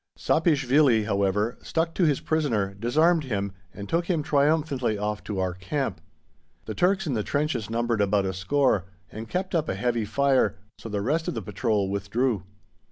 Sapieshvili, however, stuck to his prisoner, disarmed him and took him triumphantly off to our camp. The Turks in the trenches numbered about a score, and kept up a heavy fire, so the rest of the patrol withdrew.